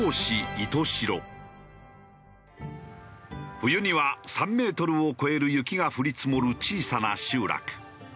冬には３メートルを超える雪が降り積もる小さな集落。